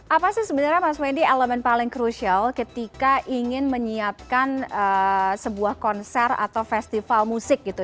apa sih sebenarnya mas wendy elemen paling krusial ketika ingin menyiapkan sebuah konser atau festival musik gitu